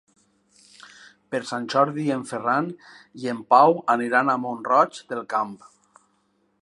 Per Sant Jordi en Ferran i en Pau aniran a Mont-roig del Camp.